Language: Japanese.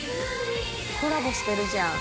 コラボしてるじゃん。